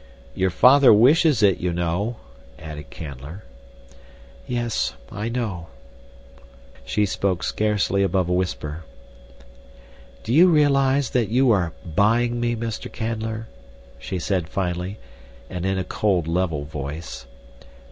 "Your father wishes it, you know," added Canler. "Yes, I know." She spoke scarcely above a whisper. "Do you realize that you are buying me, Mr. Canler?" she said finally, and in a cold, level voice.